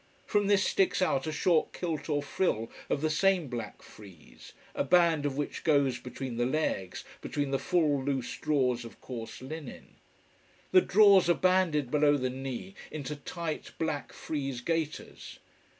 From this sticks out a short kilt or frill, of the same black frieze, a band of which goes between the legs, between the full loose drawers of coarse linen. The drawers are banded below the knee into tight black frieze gaiters.